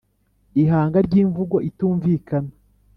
ihanga ry’imvugo itumvikana,